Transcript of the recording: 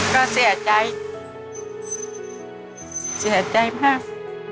ก็เสียใจเสียใจมาก